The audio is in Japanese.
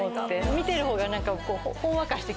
見てるほうが何か。